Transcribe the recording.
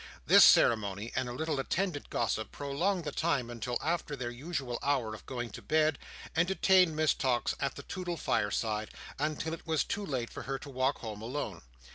This ceremony, and a little attendant gossip, prolonged the time until after their usual hour of going to bed, and detained Miss Tox at the Toodle fireside until it was too late for her to walk home alone.